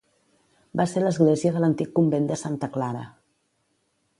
Va ser l'església de l'antic convent de Santa Clara.